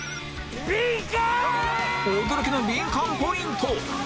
驚きのビンカンポイント